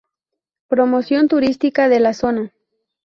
Promoción turística de la zona.